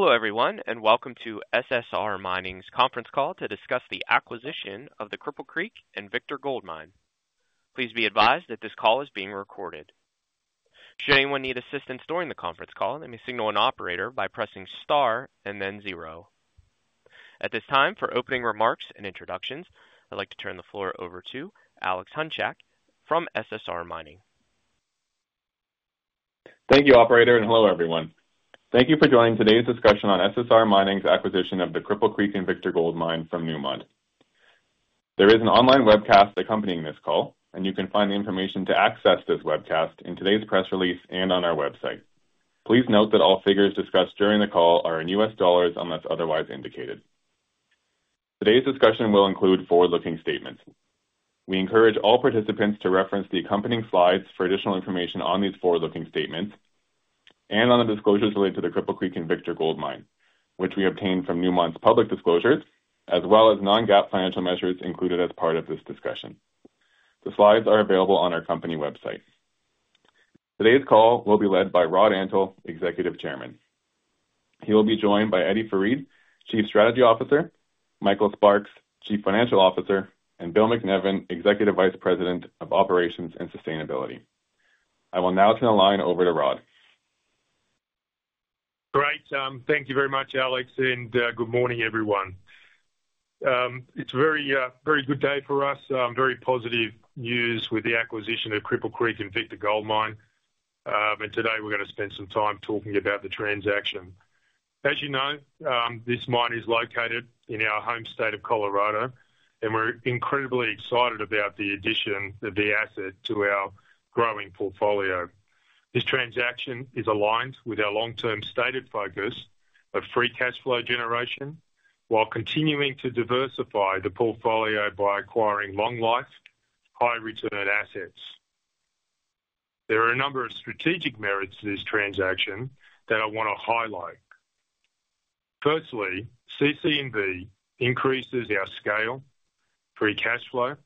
Hello everyone, and welcome to SSR Mining's conference call to discuss the acquisition of the Cripple Creek & Victor Gold Mine. Please be advised that this call is being recorded. Should anyone need assistance during the conference call, they may signal an operator by pressing star and then zero. At this time, for opening remarks and introductions, I'd like to turn the floor over to Alex Hunchak from SSR Mining. Thank you, Operator, and hello everyone. Thank you for joining today's discussion on SSR Mining's acquisition of the Cripple Creek & Victor Gold Mine from Newmont. There is an online webcast accompanying this call, and you can find the information to access this webcast in today's press release and on our website. Please note that all figures discussed during the call are in U.S. dollars unless otherwise indicated. Today's discussion will include forward-looking statements. We encourage all participants to reference the accompanying slides for additional information on these forward-looking statements and on the disclosures related to the Cripple Creek & Victor Gold Mine, which we obtained from Newmont's public disclosures, as well as non-GAAP financial measures included as part of this discussion. The slides are available on our company website. Today's call will be led by Rod Antal, Executive Chairman. He will be joined by Eddie Farid, Chief Strategy Officer, Michael Sparks, Chief Financial Officer, and Bill MacNevin, Executive Vice President of Operations and Sustainability. I will now turn the line over to Rod. Great. Thank you very much, Alex, and good morning, everyone. It's a very good day for us, very positive news with the acquisition of Cripple Creek & Victor Gold Mine, and today we're going to spend some time talking about the transaction. As you know, this mine is located in our home state of Colorado, and we're incredibly excited about the addition of the asset to our growing portfolio. This transaction is aligned with our long-term stated focus of free cash flow generation while continuing to diversify the portfolio by acquiring long-life, high-return assets. There are a number of strategic merits to this transaction that I want to highlight. Firstly, CC&V increases our scale, free cash flow,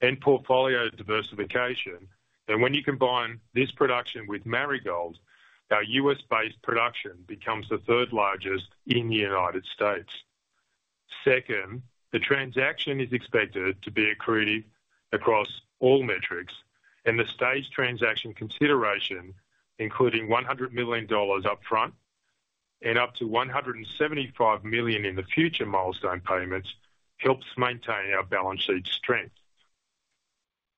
and portfolio diversification, and when you combine this production with Marigold, our U.S.-based production becomes the third largest in the United States. Second, the transaction is expected to be accretive across all metrics, and the staged transaction consideration, including $100 million upfront and up to $175 million in the future milestone payments, helps maintain our balance sheet strength.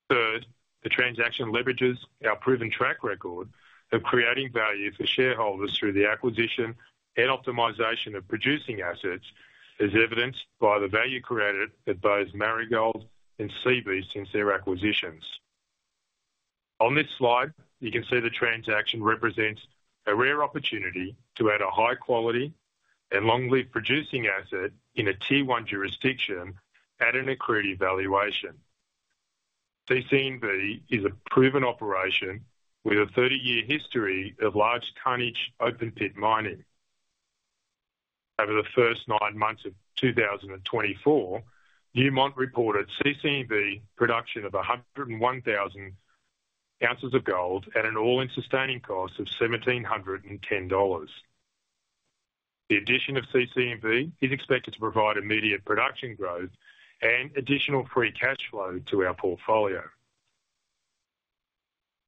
Third, the transaction leverages our proven track record of creating value for shareholders through the acquisition and optimization of producing assets, as evidenced by the value created at both Marigold and Seabee since their acquisitions. On this slide, you can see the transaction represents a rare opportunity to add a high-quality and long-lived producing asset in a T1 jurisdiction at an accretive valuation. CC&V is a proven operation with a 30-year history of large tonnage open-pit mining. Over the first nine months of 2024, Newmont reported CC&V production of 101,000 ounces of gold at an all-in sustaining cost of $1,710. The addition of CC&V is expected to provide immediate production growth and additional free cash flow to our portfolio.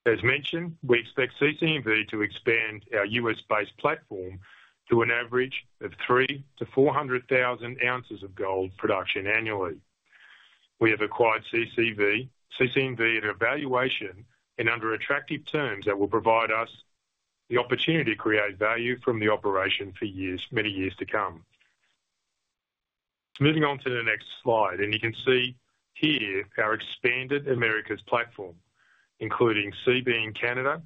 As mentioned, we expect CC&V to expand our U.S.-based platform to an average of 3,000 ounces-400,000 ounces of gold production annually. We have acquired CC&V at a valuation and under attractive terms that will provide us the opportunity to create value from the operation for many years to come. Moving on to the next slide, and you can see here our expanded Americas platform, including Seabee in Canada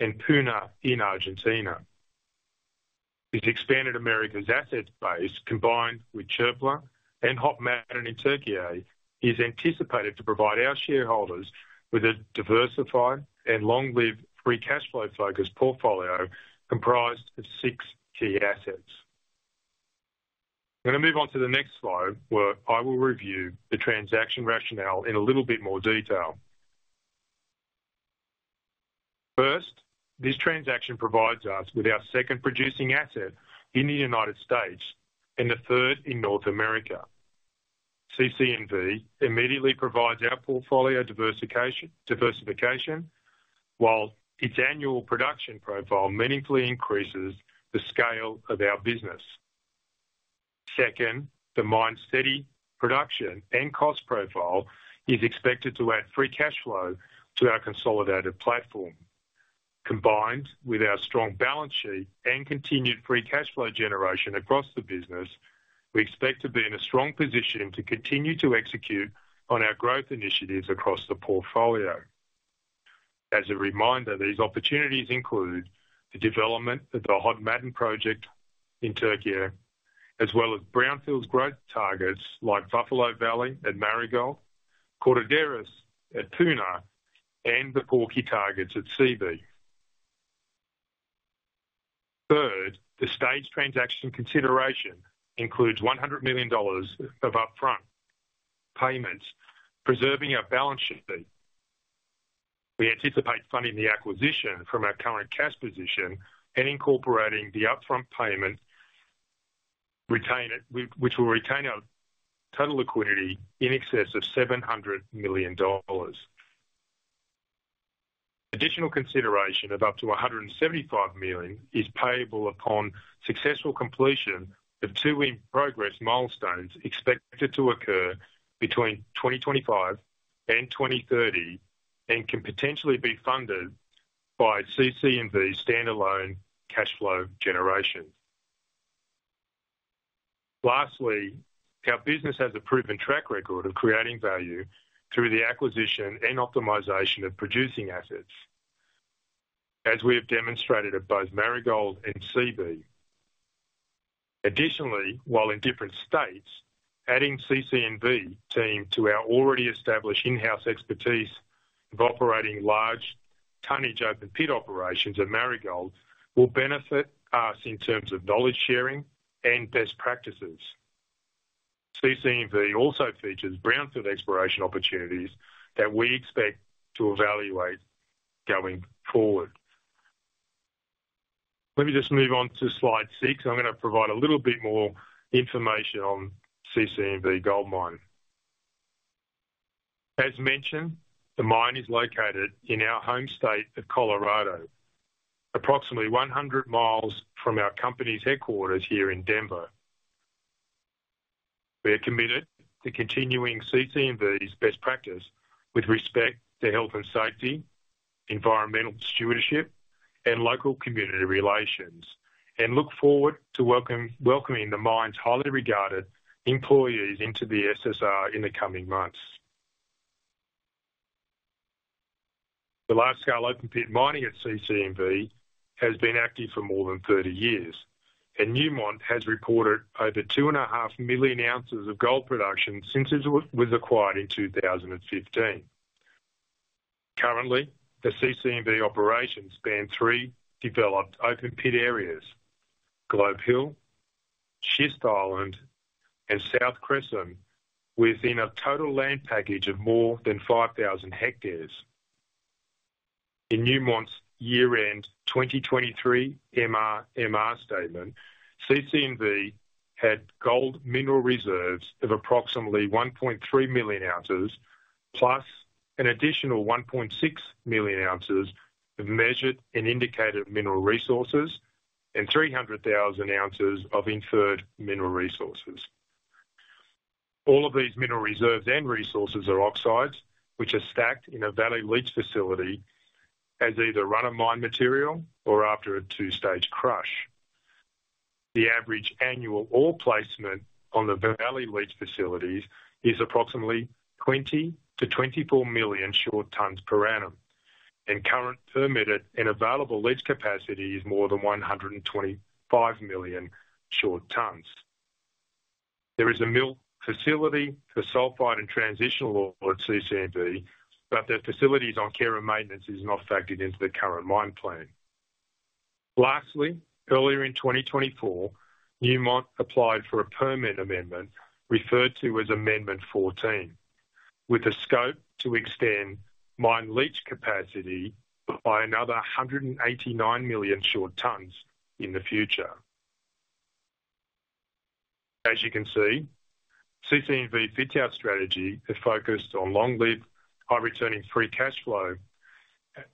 and Puna in Argentina. This expanded Americas asset base, combined with Çöpler and Hod Maden in Türkiye, is anticipated to provide our shareholders with a diversified and long-lived free cash flow focus portfolio comprised of six key assets. I'm going to move on to the next slide, where I will review the transaction rationale in a little bit more detail. First, this transaction provides us with our second producing asset in the United States and the third in North America. CC&V immediately provides our portfolio diversification, while its annual production profile meaningfully increases the scale of our business. Second, the mine's steady production and cost profile is expected to add free cash flow to our consolidated platform. Combined with our strong balance sheet and continued free cash flow generation across the business, we expect to be in a strong position to continue to execute on our growth initiatives across the portfolio. As a reminder, these opportunities include the development of the Hod Maden project in Türkiye, as well as brownfields growth targets like Buffalo Valley at Marigold, Cortaderas at Puna, and the Porky targets at Seabee. Third, the staged transaction consideration includes $100 million of upfront payments, preserving our balance sheet. We anticipate funding the acquisition from our current cash position and incorporating the upfront payment, which will retain our total liquidity in excess of $700 million. Additional consideration of up to $175 million is payable upon successful completion of two in-progress milestones expected to occur between 2025 and 2030 and can potentially be funded by CC&V's standalone cash flow generation. Lastly, our business has a proven track record of creating value through the acquisition and optimization of producing assets, as we have demonstrated at both Marigold and Seabee. Additionally, while in different states, adding CC&V team to our already established in-house expertise of operating large tonnage open-pit operations at Marigold will benefit us in terms of knowledge sharing and best practices. CC&V also features brownfield exploration opportunities that we expect to evaluate going forward. Let me just move on to slide six. I'm going to provide a little bit more information on CC&V Gold Mine. As mentioned, the mine is located in our home state of Colorado, approximately 100 miles from our company's headquarters here in Denver. We are committed to continuing CC&V's best practice with respect to health and safety, environmental stewardship, and local community relations, and look forward to welcoming the mine's highly regarded employees into the SSR in the coming months. The large-scale open-pit mining at CC&V has been active for more than 30 years, and Newmont has reported over 2.5 million ounces of gold production since it was acquired in 2015. Currently, the CC&V operations span three developed open-pit areas: Globe Hill, Schist Island, and South Crescent, within a total land package of more than 5,000 hectares. In Newmont's year-end 2023 MRMR statement, CC&V had gold mineral reserves of approximately 1.3 million ounces, plus an additional 1.6 million ounces of measured and indicated mineral resources, and 300,000 ounces of inferred mineral resources. All of these mineral reserves and resources are oxides, which are stacked in a valley leach facility as either run-of-mine material or after a two-stage crush. The average annual ore placement on the valley leach facilities is approximately 20 to 24 million short tons per annum, and current permitted and available leach capacity is more than 125 million short tons. There is a mill facility for sulfide and transitional ore at CC&V, but the facility's on care and maintenance is not factored into the current mine plan. Lastly, earlier in 2024, Newmont applied for a permit amendment referred to as Amendment 14, with a scope to extend mine leach capacity by another 189 million short tons in the future. As you can see, CC&V fits our strategy that focused on long-lived, high-returning free cash flow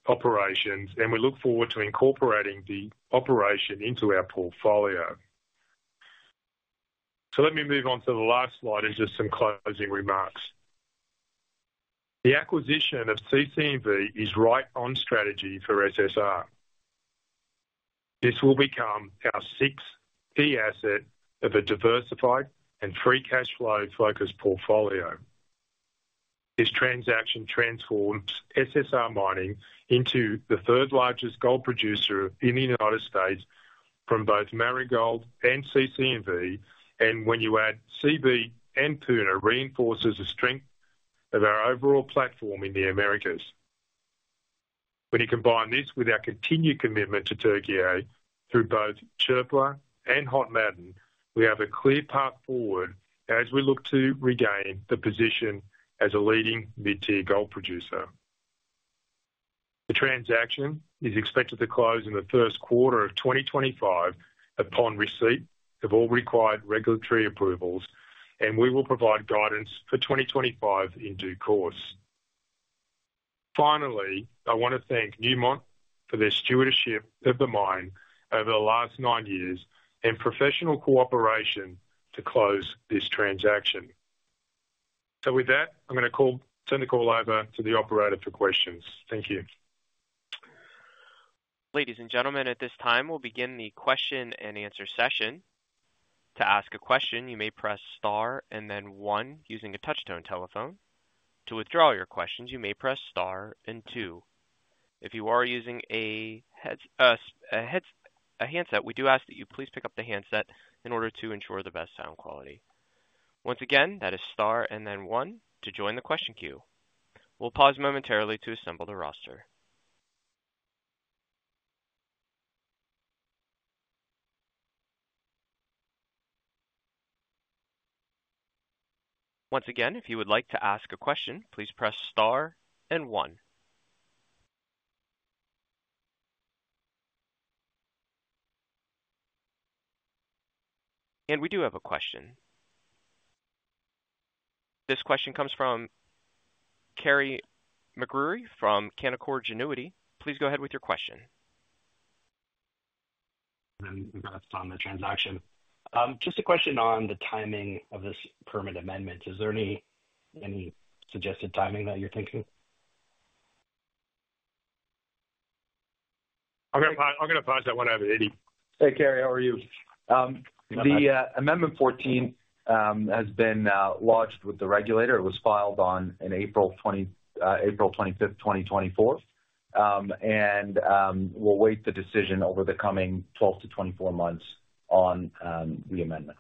operations, and we look forward to incorporating the operation into our portfolio. So let me move on to the last slide and just some closing remarks. The acquisition of CC&V is right on strategy for SSR. This will become our sixth key asset of a diversified and free cash flow focus portfolio. This transaction transforms SSR Mining into the third largest gold producer in the United States from both Marigold and CC&V, and when you add Seabee and Puna, it reinforces the strength of our overall platform in the Americas. When you combine this with our continued commitment to Türkiye through both Çöpler and Hod Maden, we have a clear path forward as we look to regain the position as a leading mid-tier gold producer. The transaction is expected to close in the first quarter of 2025 upon receipt of all required regulatory approvals, and we will provide guidance for 2025 in due course. Finally, I want to thank Newmont for their stewardship of the mine over the last nine years and professional cooperation to close this transaction, so with that, I'm going to turn the call over to the operator for questions. Thank you. Ladies and gentlemen, at this time, we'll begin the question and answer session. To ask a question, you may press star and then one using a touchtone telephone. To withdraw your question, you may press star and two. If you are using a headset, we do ask that you please pick up the handset in order to ensure the best sound quality. Once again, that is star and then one to join the question queue. We'll pause momentarily to assemble the roster. Once again, if you would like to ask a question, please press star and one. And we do have a question. This question comes from Carey MacRury from Canaccord Genuity. Please go ahead with your question. And then you can press on the transaction. Just a question on the timing of this permit amendment. Is there any suggested timing that you're thinking? I'm going to pause. Hey, Carey, how are you? The Amendment 14 has been lodged with the regulator. It was filed on April 25th, 2024, and we'll wait the decision over the coming 12 to 24 months on the amendment.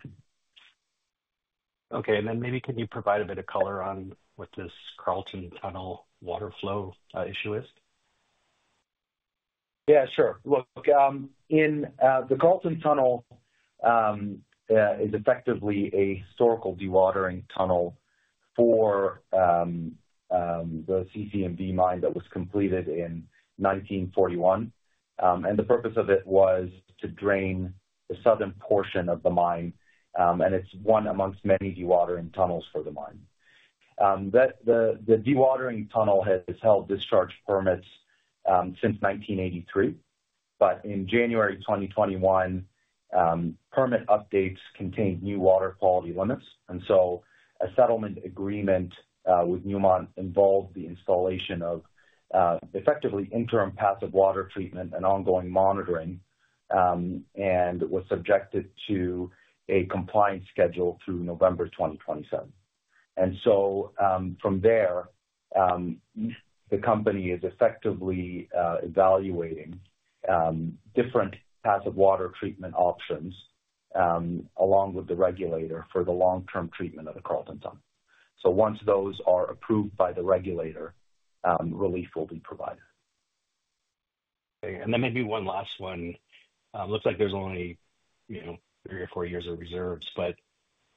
Okay, and then maybe can you provide a bit of color on what this Carlton Tunnel water flow issue is? Yeah, sure. Look, the Carlton Tunnel is effectively a historical dewatering tunnel for the CC&V mine that was completed in 1941. And the purpose of it was to drain the southern portion of the mine, and it's one among many dewatering tunnels for the mine. The dewatering tunnel has held discharge permits since 1983, but in January 2021, permit updates contained new water quality limits. And so a settlement agreement with Newmont involved the installation of effectively interim passive water treatment and ongoing monitoring, and it was subjected to a compliance schedule through November 2027. And so from there, the company is effectively evaluating different passive water treatment options along with the regulator for the long-term treatment of the Carlton Tunnel. So once those are approved by the regulator, relief will be provided. Okay. And then maybe one last one. Looks like there's only three or four years of reserves, but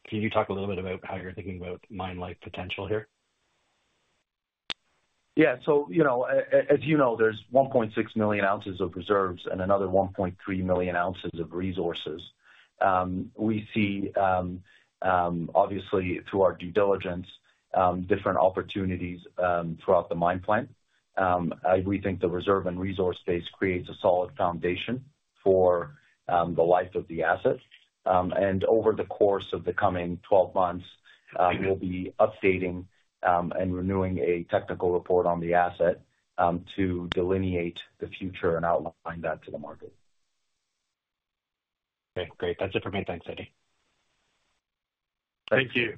can you talk a little bit about how you're thinking about mine life potential here? Yeah, so as you know, there's 1.6 million ounces of reserves and another 1.3 million ounces of resources. We see, obviously, through our due diligence, different opportunities throughout the mine plan. We think the reserve and resource base creates a solid foundation for the life of the asset, and over the course of the coming 12 months, we'll be updating and renewing a technical report on the asset to delineate the future and outline that to the market. Okay. Great. That's it for me. Thanks, Eddie. Thank you.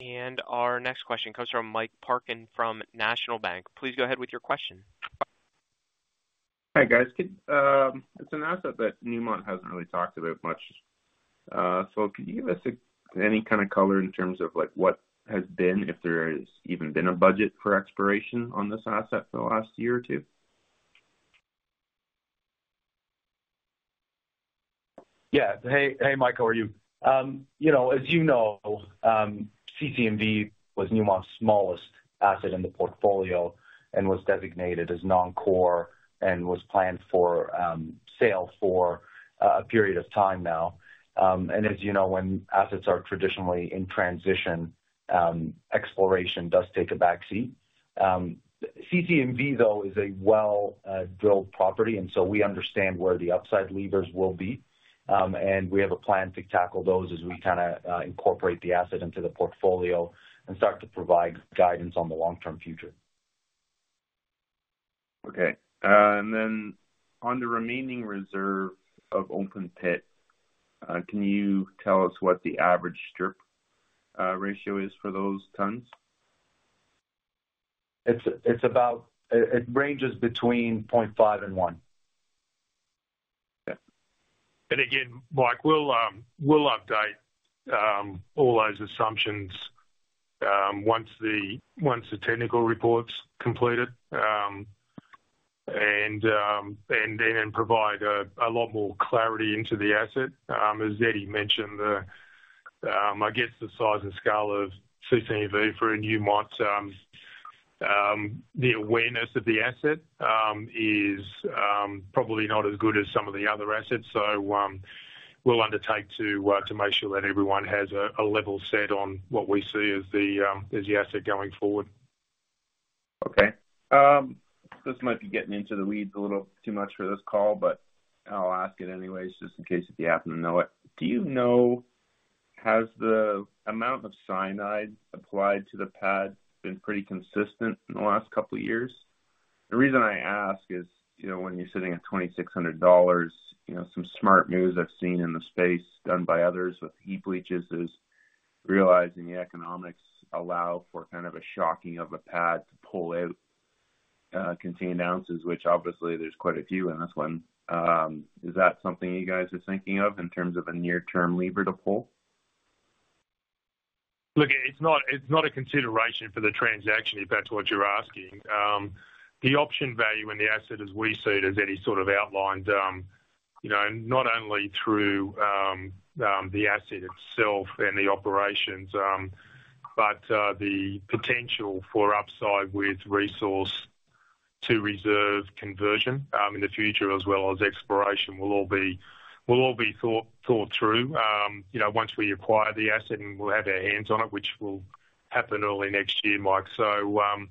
And our next question comes from Mike Parkin from National Bank. Please go ahead with your question. Hi guys. It's an asset that Newmont hasn't really talked about much. So can you give us any kind of color in terms of what has been, if there has even been a budget for exploration on this asset for the last year or two? Yeah. Hey, Michael, how are you? As you know, CC&V was Newmont's smallest asset in the portfolio and was designated as non-core and was planned for sale for a period of time now. And as you know, when assets are traditionally in transition, exploration does take a back seat. CC&V, though, is a well-drilled property, and so we understand where the upside levers will be, and we have a plan to tackle those as we kind of incorporate the asset into the portfolio and start to provide guidance on the long-term future. Okay, and then on the remaining reserve of open-pit, can you tell us what the average strip ratio is for those tons? It ranges between 0.5 and 1. Okay. And again, Mike, we'll update all those assumptions once the technical report's completed and then provide a lot more clarity into the asset. As Eddie mentioned, I guess the size and scale of CC&V for a Newmont, the awareness of the asset is probably not as good as some of the other assets. So we'll undertake to make sure that everyone has a level set on what we see as the asset going forward. Okay. This might be getting into the weeds a little too much for this call, but I'll ask it anyways just in case if you happen to know it. Do you know, has the amount of cyanide applied to the pad been pretty consistent in the last couple of years? The reason I ask is when you're sitting at $2,600, some smart moves I've seen in the space done by others with heap leaches is realizing the economics allow for kind of a shocking of a pad to pull out contained ounces, which obviously there's quite a few in this one. Is that something you guys are thinking of in terms of a near-term lever to pull? Look, it's not a consideration for the transaction if that's what you're asking. The option value in the asset, as we see it, as Eddie sort of outlined, not only through the asset itself and the operations, but the potential for upside with resource to reserve conversion in the future, as well as exploration, will all be thought through once we acquire the asset and we'll have our hands on it, which will happen early next year, Mike, so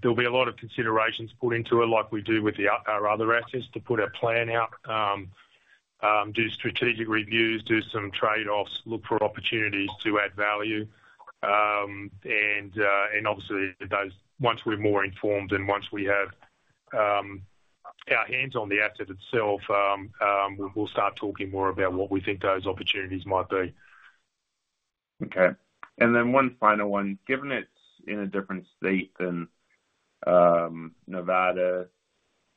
there'll be a lot of considerations put into it, like we do with our other assets, to put a plan out, do strategic reviews, do some trade-offs, look for opportunities to add value, and obviously, once we're more informed and once we have our hands on the asset itself, we'll start talking more about what we think those opportunities might be. Okay. And then one final one. Given it's in a different state than Nevada,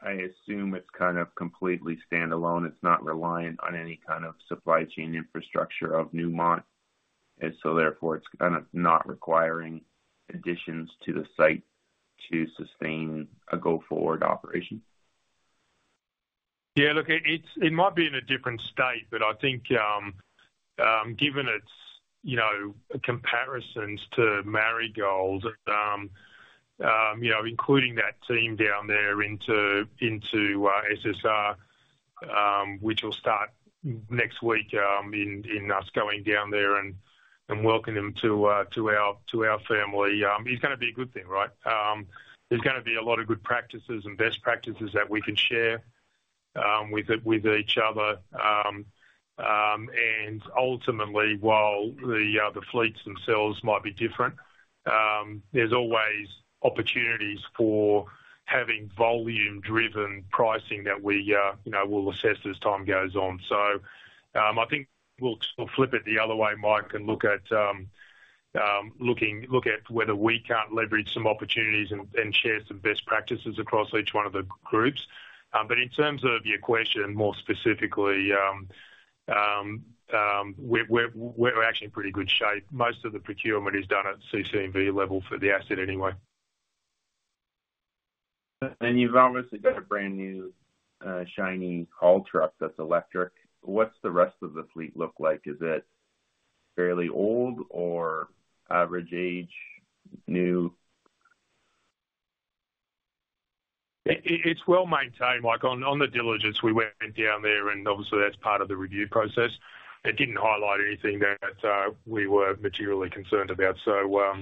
I assume it's kind of completely standalone. It's not reliant on any kind of supply chain infrastructure of Newmont, and so therefore it's kind of not requiring additions to the site to sustain a go-forward operation. Yeah. Look, it might be in a different state, but I think given its comparisons to Marigold, including that team down there into SSR, which will start next week with us going down there and welcoming them to our family, it's going to be a good thing, right? There's going to be a lot of good practices and best practices that we can share with each other. And ultimately, while the fleets themselves might be different, there's always opportunities for having volume-driven pricing that we will assess as time goes on. So I think we'll flip it the other way, Mike, and look at whether we can't leverage some opportunities and share some best practices across each one of the groups. But in terms of your question, more specifically, we're actually in pretty good shape. Most of the procurement is done at CC&V level for the asset anyway. And you've obviously got a brand new shiny haul truck that's electric. What's the rest of the fleet look like? Is it fairly old or average age, new? It's well maintained. On the diligence we went down there, and obviously that's part of the review process. It didn't highlight anything that we were materially concerned about. So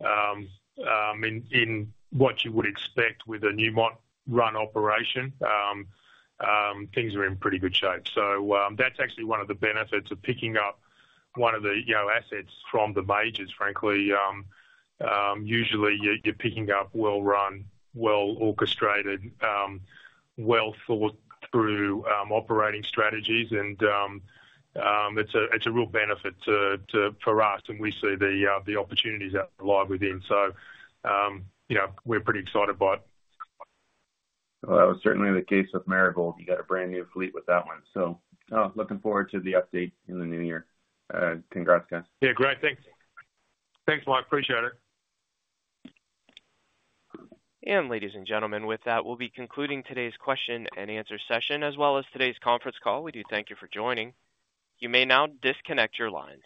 in what you would expect with a Newmont-run operation, things are in pretty good shape. So that's actually one of the benefits of picking up one of the assets from the majors, frankly. Usually, you're picking up well-run, well-orchestrated, well-thought-through operating strategies, and it's a real benefit for us, and we see the opportunities that lie within. So we're pretty excited by it. That was certainly the case with Marigold. You got a brand new fleet with that one. Looking forward to the update in the new year. Congrats, guys. Yeah. Great. Thanks. Thanks, Mike. Appreciate it. And ladies and gentlemen, with that, we'll be concluding today's question and answer session, as well as today's conference call. We do thank you for joining. You may now disconnect your lines.